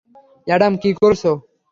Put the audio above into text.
Adam, কী করছো?